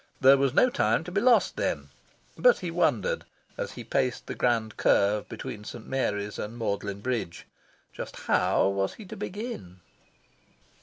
There was no time to be lost, then. But he wondered, as he paced the grand curve between St. Mary's and Magdalen Bridge, just how was he to begin?